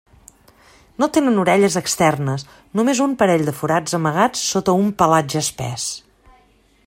No tenen orelles externes, només un parell de forats amagats sota un pelatge espès.